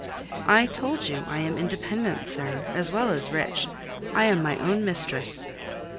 "I told you I am independent, sir, as well as rich: I am my own mistress."